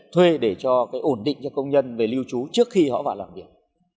thuê để cho cái ổn định cho công nhân về lưu trú trước khi họ vào làm việc